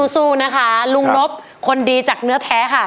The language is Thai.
สู้นะคะลุงนบคนดีจากเนื้อแท้ค่ะ